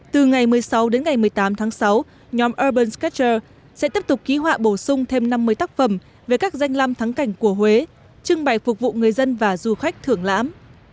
từ ngày một mươi sáu đến ngày một mươi tám tháng sáu nhóm urban sketcher sẽ tiếp tục ký họa bổ sung thêm năm mươi tác phẩm về các danh lam thắng cảnh của huế trưng bày phục vụ người dân và du khách thưởng lãm